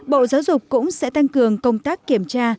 bộ giáo dục cũng sẽ tăng cường công tác kiểm tra